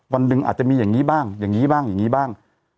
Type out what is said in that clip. วันหนึ่งอาจจะมีอย่างนี้บ้างอย่างนี้บ้างอย่างนี้บ้าง